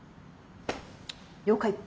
了解。